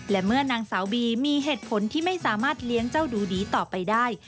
และเมื่อนางสาวบีมีเหตุผลที่ไม่สามารถเลี้ยงเจ้าดูดีต่อไปได้